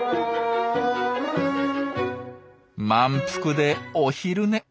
満腹でお昼寝。